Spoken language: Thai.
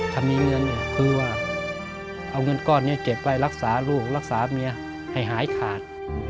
ถ้ามีเงินคือว่าเอาเงินก้อนนี้เก็บไว้รักษาลูกรักษาเมียให้หายขาด